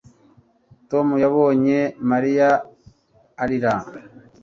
Tom yabonye Mariya arira